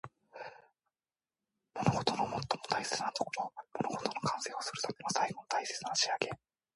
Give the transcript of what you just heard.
物事の最も大切なところ。物事を完成するための最後の大切な仕上げ。